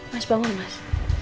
mas bangun mas